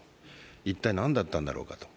一体、何だったんだろうかと。